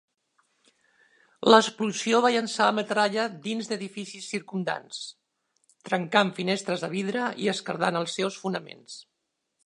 L'explosió va llançar metralla dins d'edificis circumdants, trencant finestres de vidre i esquerdant els seus fonaments.